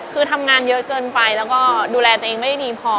คือทำงานเยอะเกินไปแล้วก็ดูแลตัวเองไม่ได้ดีพอ